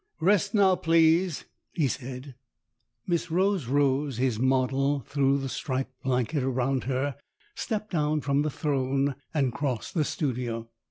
" Rest now, please," he said. Miss Rose Rose, his model, threw the striped blanket around her, stepped down from the throne, and crossed the studio.